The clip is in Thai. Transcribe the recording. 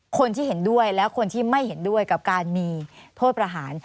คนที่เห็นด้วยและคนที่ไม่เห็นด้วยกับการมีโทษประหาร